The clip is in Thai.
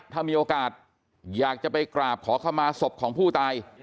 ถ้ามีโอกาสอยากจะไปกราบขอเข้ามาศพของผู้ตาย